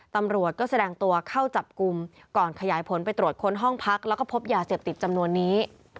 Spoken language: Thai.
ตำรวจก็แสดงตัวเข้าจับกลุ่มก่อนขยายผลไปตรวจค้นห้องพักแล้วก็พบยาเสพติดจำนวนนี้